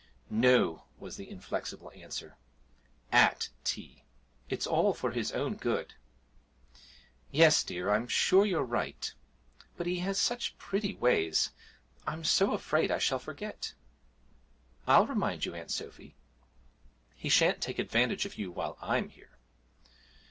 'No,' was the inflexible answer, 'at tea. It's all for his own good.' 'Yes, dear, I'm sure you're right but he has such pretty ways I'm so afraid I shall forget.' 'I'll remind you, Aunt Sophy. He shan't take advantage of you while I'm here.'